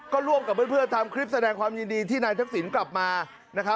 ก็ร่วมกับเพื่อนทางคลิปแสดงความยินดีที่ทักษินกลับมา